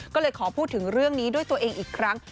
ก็เลยขอพูดถึงเรื่องนี้ด้วยตัวเองอีกครั้ง